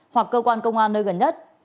hoặc cơ quan công an nơi gần nhất